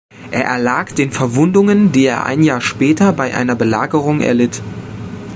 Er erlag den Verwundungen, die er ein Jahr später bei einer Belagerung erlitt.